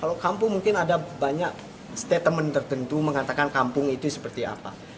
kalau kampung mungkin ada banyak statement tertentu mengatakan kampung itu seperti apa